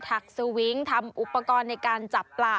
ถักลิ้นน้ำ